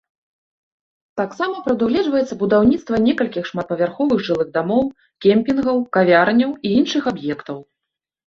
Таксама прадугледжваецца будаўніцтва некалькіх шматпавярховых жылых дамоў, кемпінгаў, кавярняў і іншых аб'ектаў.